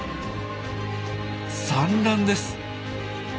産卵です。